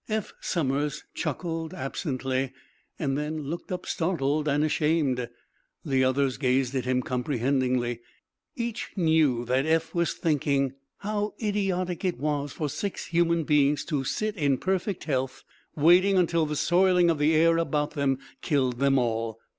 Eph Somers chuckled, absently, then looked up, startled and ashamed. The others gazed at him, comprehendingly. Each knew that Eph was thinking how idiotic it was for six human beings to sit, in perfect health, waiting until the soiling of the air about them killed them all.